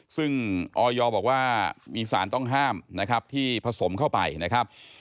ซึ่งออยบอกว่ามีสารต้องห้ามนะครับที่ผสมเข้าไปนะครับ